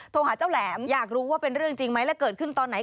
โทรหาเจ้าแหลมอยากรู้ว่าเป็นเรื่องจริงไหมและเกิดขึ้นตอนไหน